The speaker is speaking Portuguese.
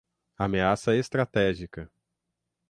ameaça estratégica